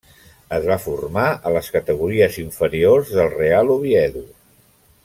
Es va formar a les categories inferiors del Real Oviedo.